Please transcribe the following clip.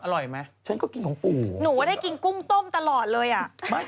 แล้วอร่อยไหมคุณแม่อร่อยไหม